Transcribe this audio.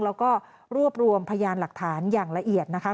แล้วก็รวบรวมพยานหลักฐานอย่างละเอียดนะคะ